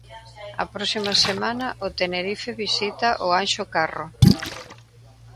A próxima semana o Tenerife visita o Anxo Carro.